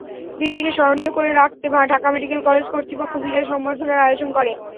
দিনটিকে স্মরণীয় করে রাখতে ঢাকা মেডিকেল কলেজ কর্তৃপক্ষ বিদায় সংবর্ধনার আয়োজন করে।